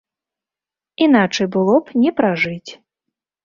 Іначай было б не пражыць.